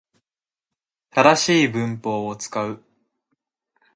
正しい文法を使う